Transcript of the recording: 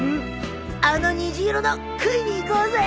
あの虹色の食いに行こうぜ！